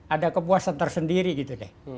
ada kepuasan tersendiri gitu deh